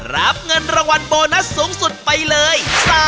รับเงินรางวัลโบนัสสูงสุดไปเลย